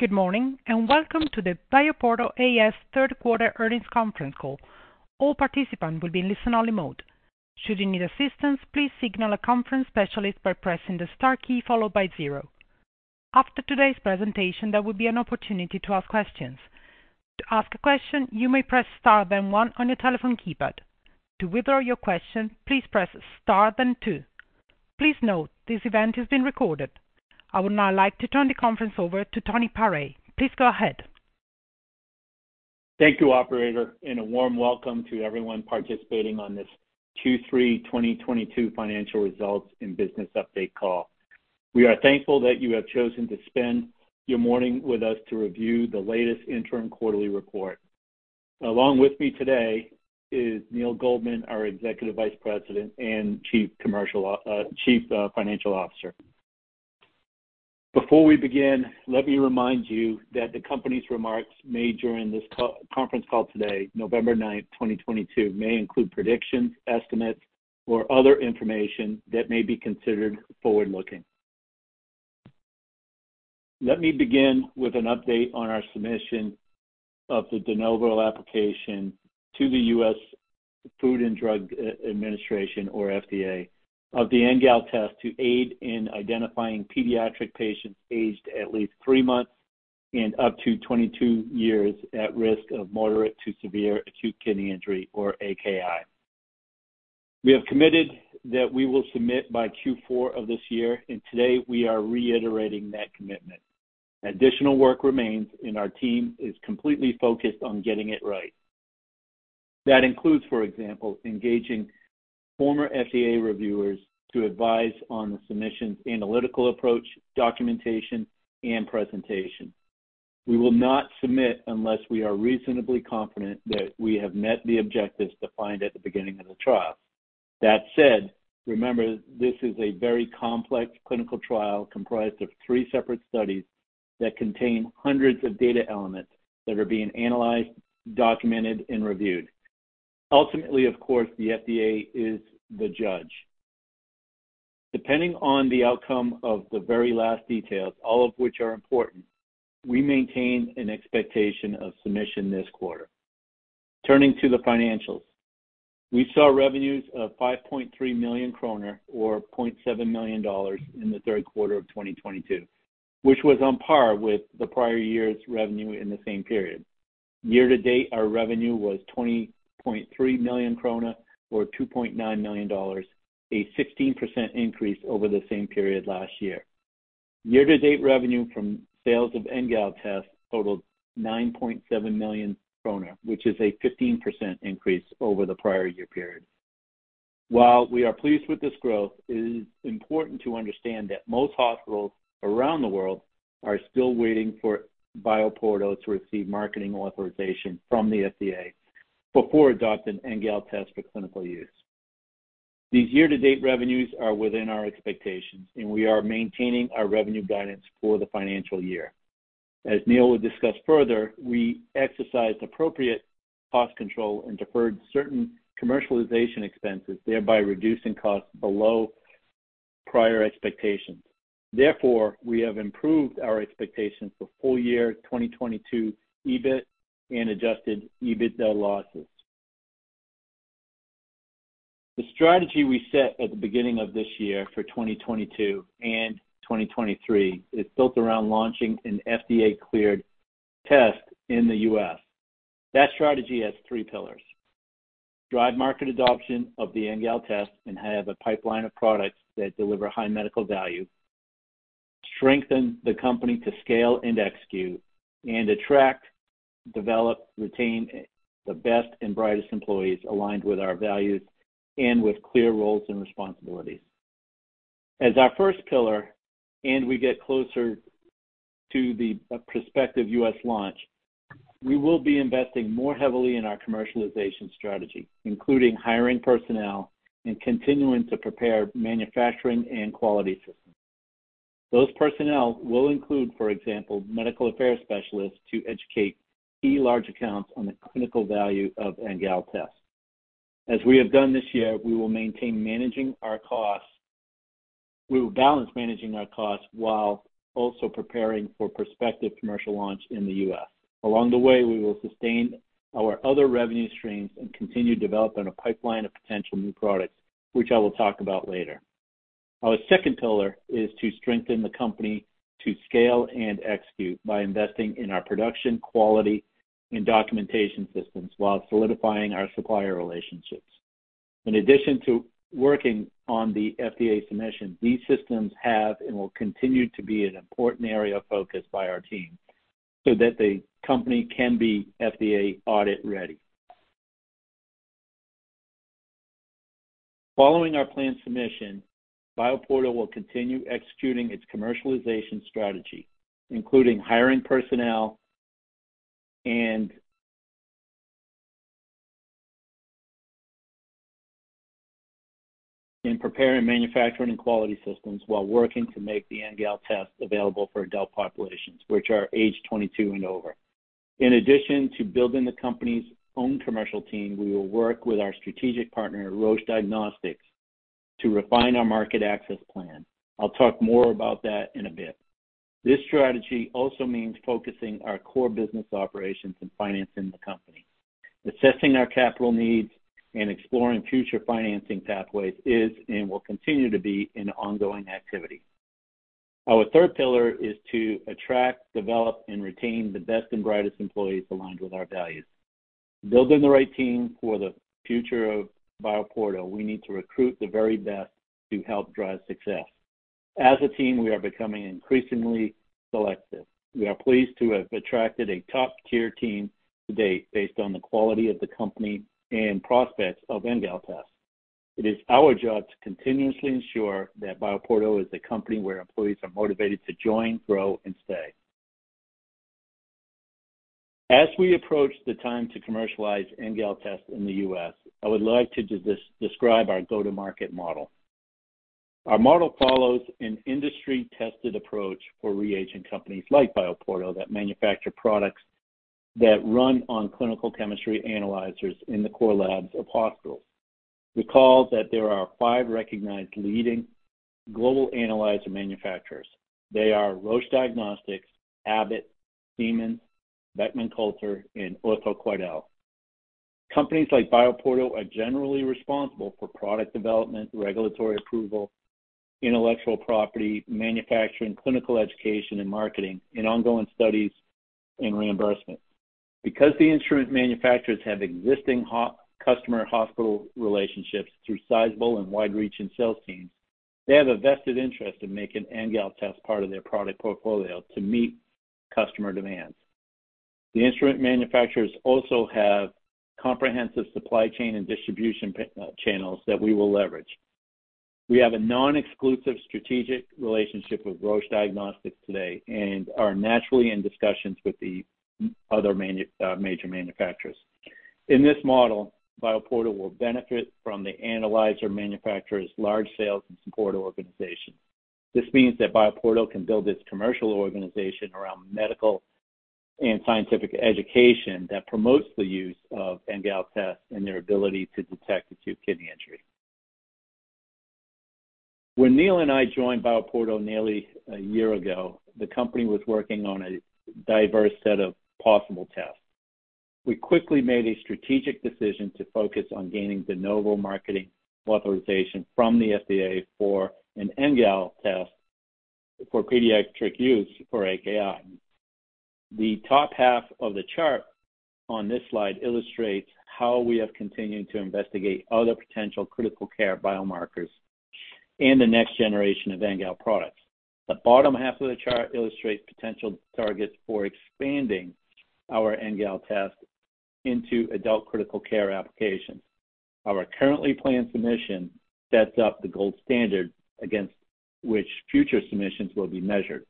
Good morning, and welcome to the BioPorto A/S third quarter earnings conference call. All participants will be in listen-only mode. Should you need assistance, please signal a conference specialist by pressing the star key followed by zero. After today's presentation, there will be an opportunity to ask questions. To ask a question, you may press star, then one on your telephone keypad. To withdraw your question, please press star, then two. Please note this event is being recorded. I would now like to turn the conference over to Tony Pare. Please go ahead. Thank you, operator, and a warm welcome to everyone participating on this Q3 2022 financial results and business update call. We are thankful that you have chosen to spend your morning with us to review the latest interim quarterly report. Along with me today is Neil Goldman, our Executive Vice President and Chief Financial Officer. Before we begin, let me remind you that the company's remarks made during this conference call today, November ninth, 2022, may include predictions, estimates, or other information that may be considered forward-looking. Let me begin with an update on our submission of the De Novo application to the US Food and Drug Administration or FDA of the NGAL Test to aid in identifying pediatric patients aged at least three months and up to 22 years at risk of moderate to severe acute kidney injury or AKI. We have committed that we will submit by Q4 of this year, and today we are reiterating that commitment. Additional work remains, and our team is completely focused on getting it right. That includes, for example, engaging former FDA reviewers to advise on the submission's analytical approach, documentation, and presentation. We will not submit unless we are reasonably confident that we have met the objectives defined at the beginning of the trial. That said, remember, this is a very complex clinical trial comprised of three separate studies that contain hundreds of data elements that are being analyzed, documented, and reviewed. Ultimately, of course, the FDA is the judge. Depending on the outcome of the very last details, all of which are important, we maintain an expectation of submission this quarter. Turning to the financials. We saw revenues of 5.3 million kroner or $0.7 million in the third quarter of 2022, which was on par with the prior year's revenue in the same period. Year to date, our revenue was 20.3 million krone or $2.9 million, a 16% increase over the same period last year. Year to date revenue from sales of NGAL tests totaled 9.7 million krone, which is a 15% increase over the prior year period. While we are pleased with this growth, it is important to understand that most hospitals around the world are still waiting for BioPorto to receive marketing authorization from the FDA before adopting NGAL test for clinical use. These year-to-date revenues are within our expectations, and we are maintaining our revenue guidance for the financial year. As Neil will discuss further, we exercised appropriate cost control and deferred certain commercialization expenses, thereby reducing costs below prior expectations. Therefore, we have improved our expectations for full year 2022 EBIT and adjusted EBITDA losses. The strategy we set at the beginning of this year for 2022 and 2023 is built around launching an FDA-cleared test in the U.S. That strategy has three pillars, drive market adoption of the NGAL test and have a pipeline of products that deliver high medical value, strengthen the company to scale and execute, and attract, develop, retain the best and brightest employees aligned with our values and with clear roles and responsibilities. As our first pillar, and we get closer to the prospective U.S. launch, we will be investing more heavily in our commercialization strategy, including hiring personnel and continuing to prepare manufacturing and quality systems. Those personnel will include, for example, medical affairs specialists to educate key large accounts on the clinical value of NGAL Test. As we have done this year, we will balance managing our costs while also preparing for prospective commercial launch in the U.S. Along the way, we will sustain our other revenue streams and continue developing a pipeline of potential new products which I will talk about later. Our second pillar is to strengthen the company to scale and execute by investing in our production, quality, and documentation systems while solidifying our supplier relationships. In addition to working on the FDA submission, these systems have and will continue to be an important area of focus by our team so that the company can be FDA audit ready. Following our planned submission, BioPorto will continue executing its commercialization strategy, including hiring personnel and preparing manufacturing and quality systems while working to make the NGAL Test available for adult populations, which are age 22 and over. In addition to building the company's own commercial team, we will work with our strategic partner, Roche Diagnostics to refine our market access plan. I'll talk more about that in a bit. This strategy also means focusing our core business operations and financing the company. Assessing our capital needs and exploring future financing pathways is and will continue to be an ongoing activity. Our third pillar is to attract, develop, and retain the best and brightest employees aligned with our values. Building the right team for the future of BioPorto, we need to recruit the very best to help drive success. As a team, we are becoming increasingly selective. We are pleased to have attracted a top-tier team to date based on the quality of the company and prospects of NGAL test. It is our job to continuously ensure that BioPorto is a company where employees are motivated to join, grow, and stay. As we approach the time to commercialize NGAL test in the U.S., I would like to describe our go-to-market model. Our model follows an industry-tested approach for reagent companies like BioPorto that manufacture products that run on clinical chemistry analyzers in the core labs of hospitals. Recall that there are five recognized leading global analyzer manufacturers. They are Roche Diagnostics, Abbott, Siemens, Beckman Coulter, and QuidelOrtho. Companies like BioPorto are generally responsible for product development, regulatory approval, intellectual property, manufacturing, clinical education, and marketing, and ongoing studies in reimbursement. Because the instrument manufacturers have existing customer hospital relationships through sizable and wide-reaching sales teams, they have a vested interest in making NGAL test part of their product portfolio to meet customer demands. The instrument manufacturers also have comprehensive supply chain and distribution channels that we will leverage. We have a non-exclusive strategic relationship with Roche Diagnostics today and are naturally in discussions with the other major manufacturers. In this model, BioPorto will benefit from the analyzer manufacturer's large sales and support organization. This means that BioPorto can build its commercial organization around medical and scientific education that promotes the use of NGAL test and their ability to detect acute kidney injury. When Neil and I joined BioPorto nearly a year ago, the company was working on a diverse set of possible tests. We quickly made a strategic decision to focus on gaining De Novo marketing authorization from the FDA for an NGAL test for pediatric use for AKI. The top half of the chart on this slide illustrates how we have continued to investigate other potential critical care biomarkers and the next generation of NGAL products. The bottom half of the chart illustrates potential targets for expanding our NGAL test into adult critical care applications. Our currently planned submission sets up the gold standard against which future submissions will be measured.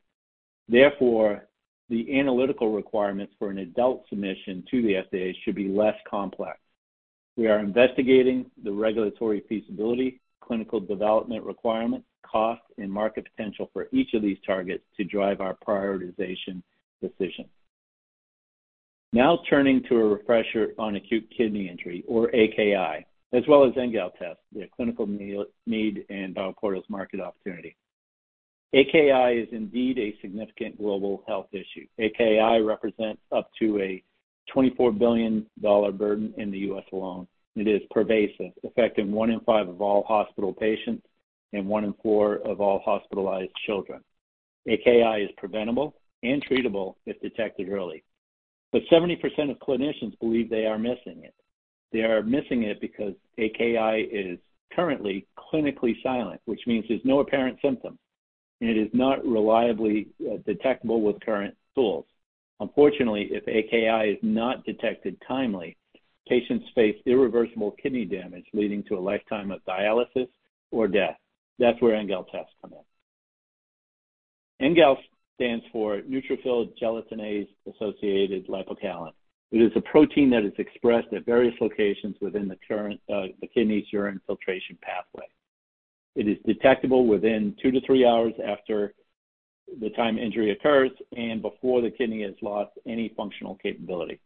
Therefore, the analytical requirements for an adult submission to the FDA should be less complex. We are investigating the regulatory feasibility, clinical development requirements, cost, and market potential for each of these targets to drive our prioritization decisions. Now turning to a refresher on acute kidney injury, or AKI, as well as NGAL test, the clinical need, and BioPorto's market opportunity. AKI is indeed a significant global health issue. AKI represents up to a $24 billion burden in the U.S. alone. It is pervasive, affecting one in five of all hospital patients and one in four of all hospitalized children. AKI is preventable and treatable if detected early. 70% of clinicians believe they are missing it. They are missing it because AKI is currently clinically silent, which means there's no apparent symptom, and it is not reliably detectable with current tools. Unfortunately, if AKI is not detected timely, patients face irreversible kidney damage leading to a lifetime of dialysis or death. That's where NGAL tests come in. NGAL stands for neutrophil gelatinase-associated lipocalin. It is a protein that is expressed at various locations within the kidney's urine filtration pathway. It is detectable within two to three hours after the time injury occurs and before the kidney has lost any functional capability.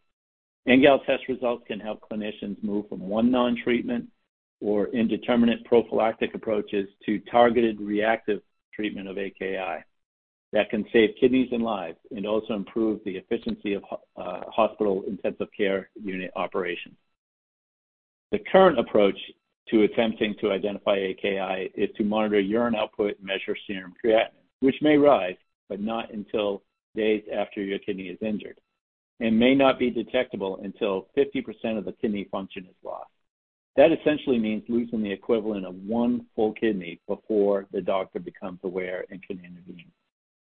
NGAL test results can help clinicians move from one non-treatment or indeterminate prophylactic approaches to targeted reactive treatment of AKI that can save kidneys and lives and also improve the efficiency of hospital intensive care unit operations. The current approach to attempting to identify AKI is to monitor urine output and measure serum creatinine, which may rise, but not until days after your kidney is injured, and may not be detectable until 50% of the kidney function is lost. That essentially means losing the equivalent of one full kidney before the doctor becomes aware and can intervene.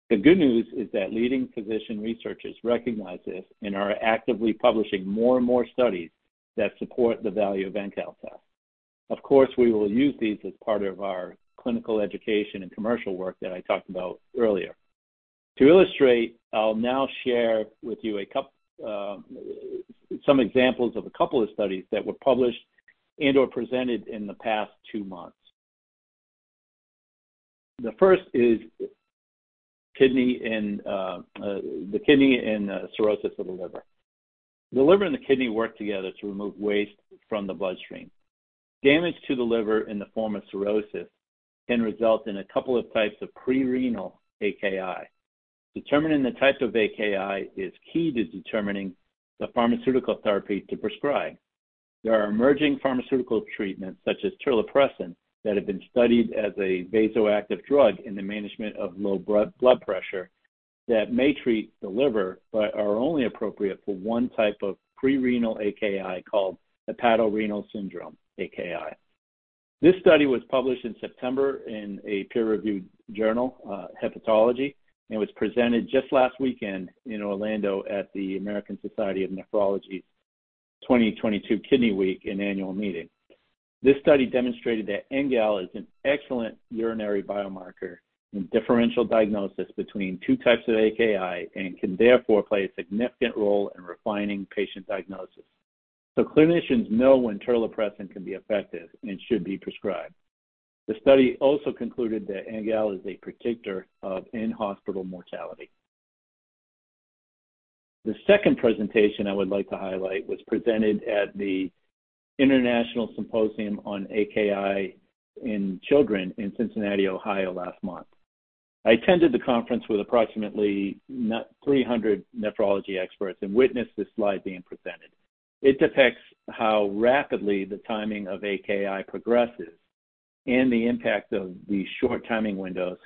The good news is that leading physician researchers recognize this and are actively publishing more and more studies that support the value of NGAL test. Of course, we will use these as part of our clinical education and commercial work that I talked about earlier. To illustrate, I'll now share with you some examples of a couple of studies that were published and/or presented in the past two months. The first is the kidney and cirrhosis of the liver. The liver and the kidney work together to remove waste from the bloodstream. Damage to the liver in the form of cirrhosis can result in a couple of types of prerenal AKI. Determining the type of AKI is key to determining the pharmaceutical therapy to prescribe. There are emerging pharmaceutical treatments such as terlipressin that have been studied as a vasoactive drug in the management of low blood pressure that may treat the liver, but are only appropriate for one type of prerenal AKI called hepatorenal syndrome AKI. This study was published in September in a peer-reviewed journal, Hepatology, and was presented just last weekend in Orlando at the American Society of Nephrology's 2022 Kidney Week and annual meeting. This study demonstrated that NGAL is an excellent urinary biomarker in differential diagnosis between two types of AKI and can therefore play a significant role in refining patient diagnosis so clinicians know when terlipressin can be effective and should be prescribed. The study also concluded that NGAL is a predictor of in-hospital mortality. The second presentation I would like to highlight was presented at the International Symposium on AKI in Children in Cincinnati, Ohio, last month. I attended the conference with approximately 300 nephrology experts and witnessed this slide being presented. It depicts how rapidly the timing of AKI progresses and the impact of the short timing windows.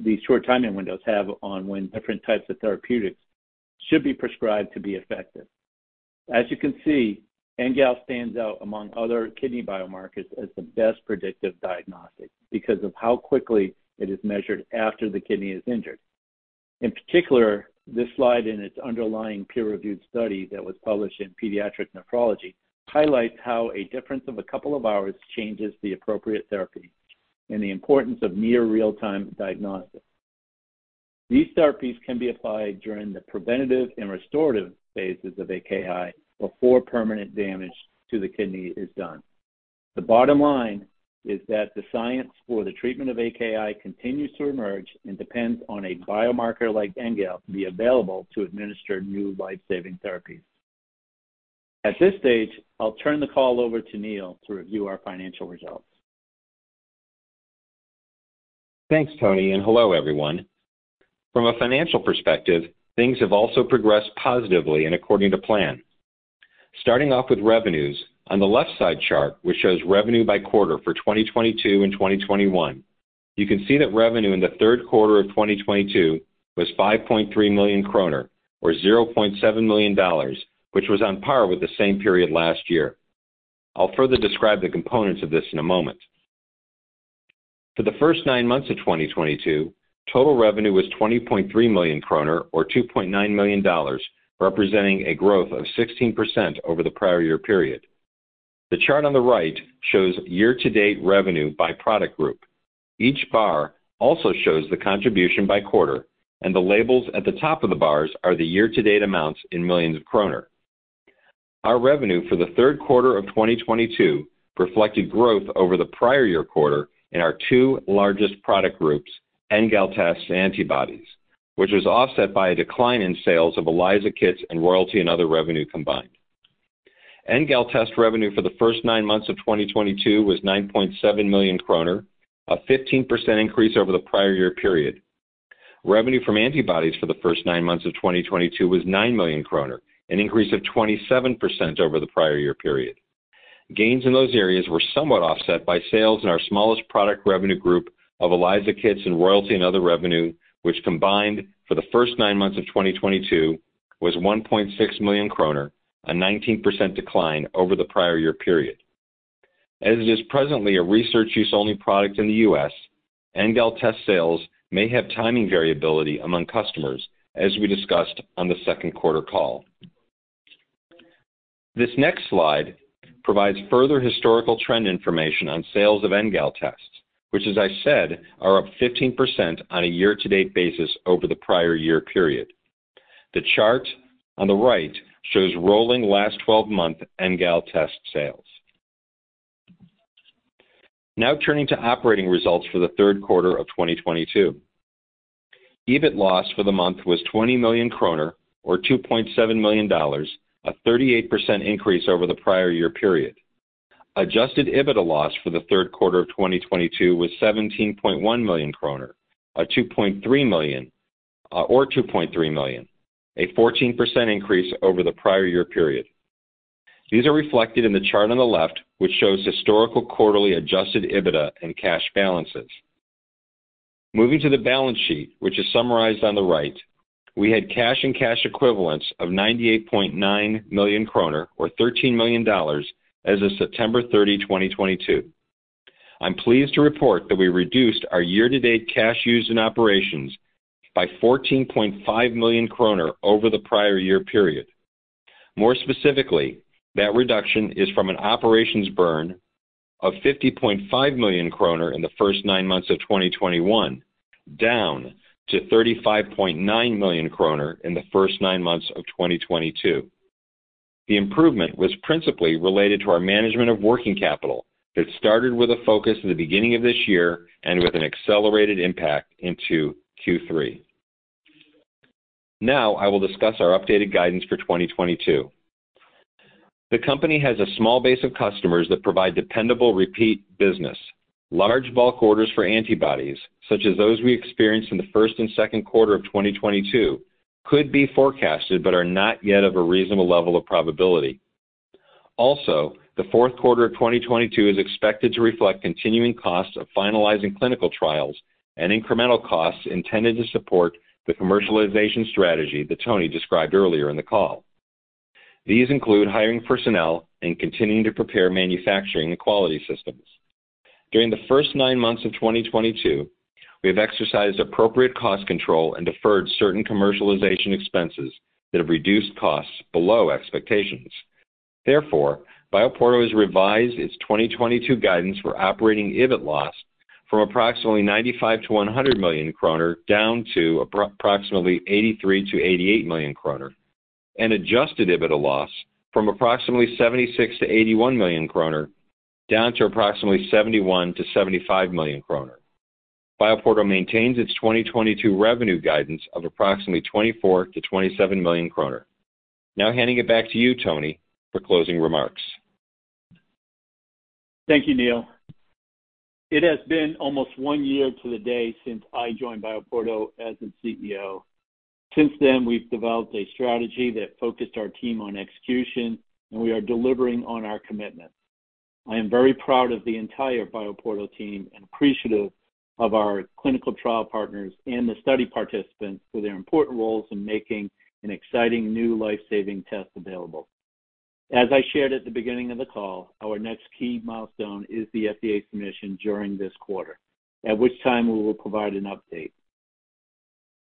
These short timing windows have on when different types of therapeutics should be prescribed to be effective. As you can see, NGAL stands out among other kidney biomarkers as the best predictive diagnostic because of how quickly it is measured after the kidney is injured. In particular, this slide and its underlying peer-reviewed study that was published in Pediatric Nephrology highlights how a difference of a couple of hours changes the appropriate therapy and the importance of near real-time diagnostics. These therapies can be applied during the preventative and restorative phases of AKI before permanent damage to the kidney is done. The bottom line is that the science for the treatment of AKI continues to emerge and depends on a biomarker like NGAL to be available to administer new life-saving therapies. At this stage, I'll turn the call over to Neil to review our financial results. Thanks, Tony, and hello, everyone. From a financial perspective, things have also progressed positively and according to plan. Starting off with revenues, on the left side chart, which shows revenue by quarter for 2022 and 2021, you can see that revenue in the third quarter of 2022 was 5.3 million kroner, or $0.7 million, which was on par with the same period last year. I'll further describe the components of this in a moment. For the first nine months of 2022, total revenue was 20.3 million kroner, or $2.9 million, representing a growth of 16% over the prior year period. The chart on the right shows year-to-date revenue by product group. Each bar also shows the contribution by quarter, and the labels at the top of the bars are the year-to-date amounts in millions kroner. Our revenue for the third quarter of 2022 reflected growth over the prior year quarter in our two largest product groups, NGAL Tests and Antibodies, which was offset by a decline in sales of ELISA Kits and Royalty and Other Revenue combined. NGAL Test revenue for the first nine months of 2022 was 9.7 million kroner, a 15% increase over the prior year period. Revenue from Antibodies for the first nine months of 2022 was 9 million kroner, an increase of 27% over the prior year period. Gains in those areas were somewhat offset by sales in our smallest product revenue group of ELISA Kits and Royalty and Other Revenue, which combined for the first nine months of 2022 was 1.6 million kroner, a 19% decline over the prior year period. As it is presently a research use only product in the U.S., NGAL Test sales may have timing variability among customers, as we discussed on the second quarter call. This next slide provides further historical trend information on sales of NGAL Tests, which, as I said, are up 15% on a year-to-date basis over the prior year period. The chart on the right shows rolling last 12-month NGAL Test sales. Now turning to operating results for the third quarter of 2022. EBIT loss for the month was 20 million kroner, or $2.7 million, a 38% increase over the prior year period. Adjusted EBITDA loss for the third quarter of 2022 was 17.1 million kroner, or $2.3 million, a 14% increase over the prior year period. These are reflected in the chart on the left, which shows historical quarterly adjusted EBITDA and cash balances. Moving to the balance sheet, which is summarized on the right. We had cash and cash equivalents of 98.9 million kroner, or $13 million, as of September 30, 2022. I'm pleased to report that we reduced our year-to-date cash used in operations by 14.5 million kroner over the prior year period. More specifically, that reduction is from an operations burn of 50.5 million kroner in the first nine months of 2021, down to 35.9 million kroner in the first nine months of 2022. The improvement was principally related to our management of working capital that started with a focus in the beginning of this year and with an accelerated impact into Q3. Now I will discuss our updated guidance for 2022. The company has a small base of customers that provide dependable repeat business. Large bulk orders for antibodies, such as those we experienced in the first and second quarter of 2022, could be forecasted but are not yet of a reasonable level of probability. Also, the fourth quarter of 2022 is expected to reflect continuing costs of finalizing clinical trials and incremental costs intended to support the commercialization strategy that Tony described earlier in the call. These include hiring personnel and continuing to prepare manufacturing and quality systems. During the first nine months of 2022, we have exercised appropriate cost control and deferred certain commercialization expenses that have reduced costs below expectations. Therefore, BioPorto has revised its 2022 guidance for operating EBIT loss from approximately 95-100 million kroner down to approximately 83-88 million. An adjusted EBITDA loss from approximately 76-81 million kroner down to approximately 71-75 million kroner. BioPorto maintains its 2022 revenue guidance of approximately 24-27 million kroner. Now handing it back to you, Tony, for closing remarks. Thank you, Neil. It has been almost one year to the day since I joined BioPorto as its CEO. Since then, we've developed a strategy that focused our team on execution, and we are delivering on our commitment. I am very proud of the entire BioPorto team and appreciative of our clinical trial partners and the study participants for their important roles in making an exciting new life-saving test available. As I shared at the beginning of the call, our next key milestone is the FDA submission during this quarter, at which time we will provide an update.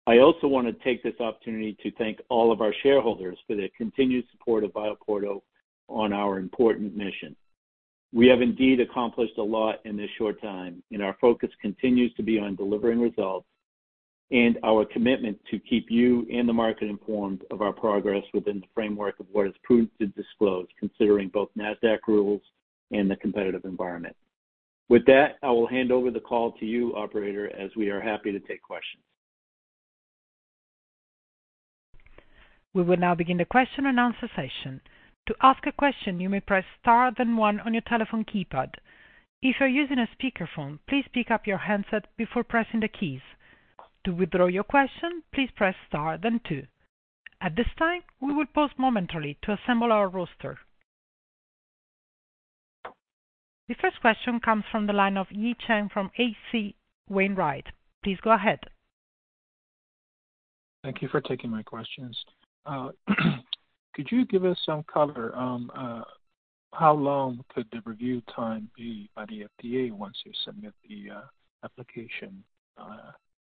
I also wanna take this opportunity to thank all of our shareholders for their continued support of BioPorto on our important mission. We have indeed accomplished a lot in this short time, and our focus continues to be on delivering results and our commitment to keep you and the market informed of our progress within the framework of what is prudent to disclose, considering both Nasdaq rules and the competitive environment. With that, I will hand over the call to you, operator, as we are happy to take questions. We will now begin the question-and-answer session. To ask a question, you may press star then one on your telephone keypad. If you're using a speakerphone, please pick up your handset before pressing the keys. To withdraw your question, please press star then two. At this time, we will pause momentarily to assemble our roster. The first question comes from the line of Yi Chen from H.C. Wainwright. Please go ahead. Thank you for taking my questions. Could you give us some color on how long could the review time be by the FDA once you submit the application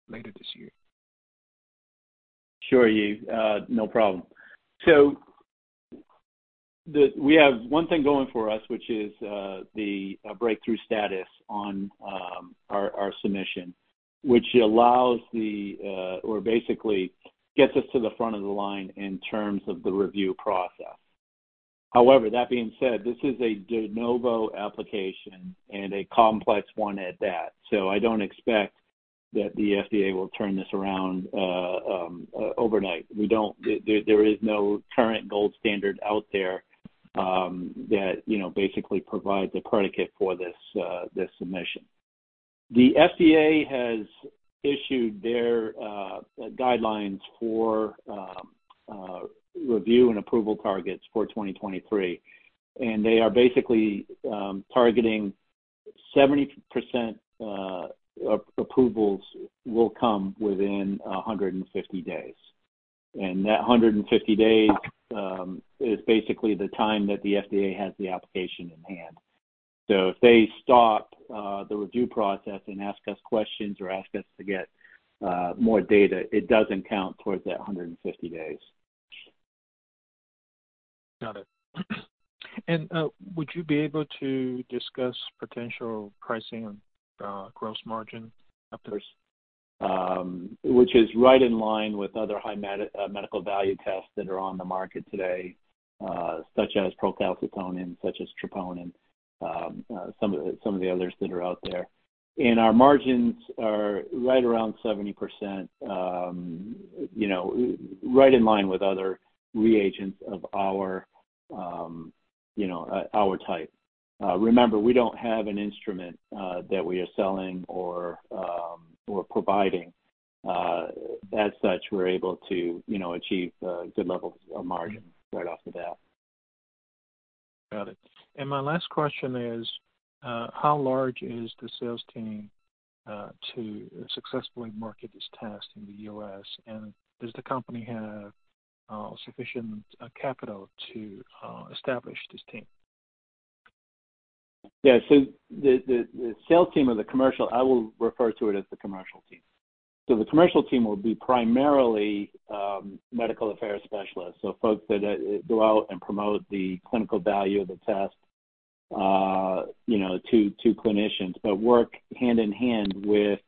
later this year? Sure, Yi. No problem. We have one thing going for us, which is the Breakthrough Therapy on our submission, which allows or basically gets us to the front of the line in terms of the review process. However, that being said, this is a De Novo application and a complex one at that. I don't expect that the FDA will turn this around overnight. There is no current gold standard out there that you know basically provides a predicate for this submission. The FDA has issued their guidelines for review and approval targets for 2023, and they are basically targeting 70% approvals will come within 150 days. That 150 days is basically the time that the FDA has the application in hand. If they stop the review process and ask us questions or ask us to get more data, it doesn't count towards that 150 days. Got it. Would you be able to discuss potential pricing and gross margin upwards? Which is right in line with other high medical value tests that are on the market today, such as procalcitonin, such as troponin, some of the others that are out there. Our margins are right around 70%, you know, right in line with other reagents of our, you know, our type. Remember, we don't have an instrument that we are selling or or providing. As such, we're able to, you know, achieve good levels of margin right off the bat. Got it. My last question is, how large is the sales team to successfully market this test in the U.S., and does the company have sufficient capital to establish this team? The sales team or the commercial, I will refer to it as the commercial team. The commercial team will be primarily medical affairs specialists, so folks that go out and promote the clinical value of the test, you know, to clinicians, but work hand in hand with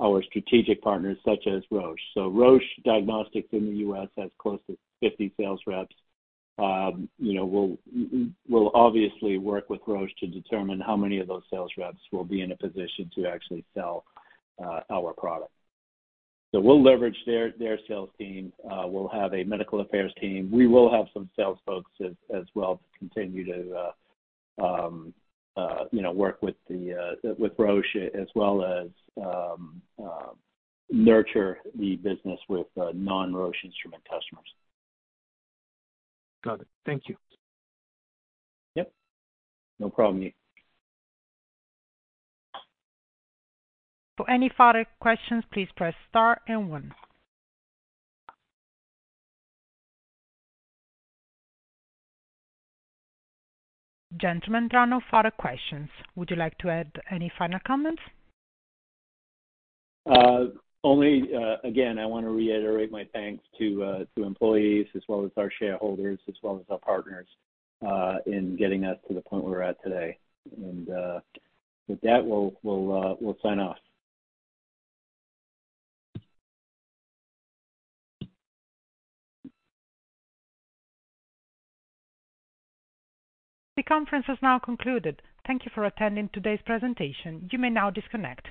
our strategic partners such as Roche. Roche Diagnostics in the U.S. has close to 50 sales reps. You know, we'll obviously work with Roche to determine how many of those sales reps will be in a position to actually sell our product. We'll leverage their sales team. We'll have a medical affairs team. We will have some sales folks as well to continue to, you know, work with Roche as well as nurture the business with non-Roche instrument customers. Got it. Thank you. Yep. No problem, Yi. For any further questions, please press star and one. Gentlemen, there are no further questions. Would you like to add any final comments? Only, again, I wanna reiterate my thanks to employees as well as our shareholders as well as our partners in getting us to the point where we're at today. With that, we'll sign off. The conference has now concluded. Thank you for attending today's presentation. You may now disconnect.